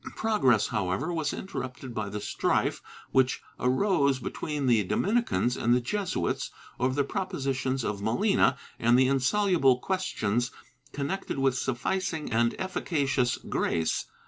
^ Progress, however, was interrupted by the strife which arose between the Dominicans and the Jesuits over the propositions of Molina and the insoluble questions connected with sufficing and efficacioua grace.